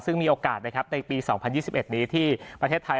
ซึ่งมีโอกาสนะครับในปี๒๐๒๑นี้ที่ประเทศไทย